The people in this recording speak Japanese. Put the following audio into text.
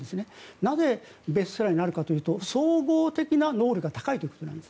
なぜベストセラーになるかというと総合的な能力が高いということなんです。